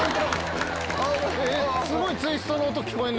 すごいツイストの音聞こえる。